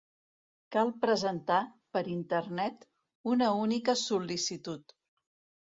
Cal presentar, per Internet, una única sol·licitud.